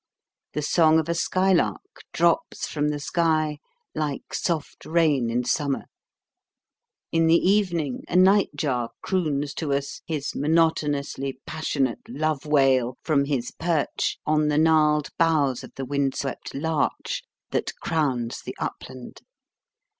The song of a skylark drops from the sky like soft rain in summer; in the evening, a nightjar croons to us his monotonously passionate love wail from his perch on the gnarled boughs of the wind swept larch that crowns the upland.